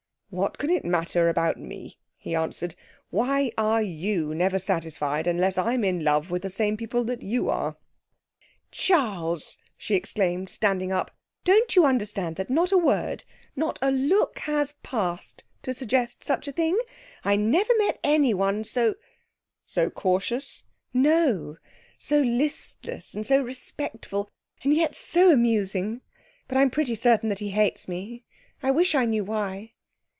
'What can it matter about me?' he answered. 'Why are you never satisfied unless I'm in love with the same people that you are?' 'Charles!' she exclaimed, standing up. 'Don't you understand that not a word, not a look has passed to suggest such a thing? I never met anyone so ' 'So cautious?' 'No, so listless, and so respectful; and yet so amusing.... But I'm pretty certain that he hates me. I wish I knew why.'